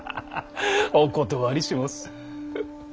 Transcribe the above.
お断りしもす。